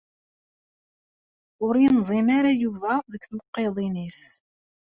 Ur yenẓim ara Yuba deg tneqqiḍin-is.